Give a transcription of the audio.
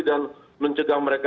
dan mencegah mereka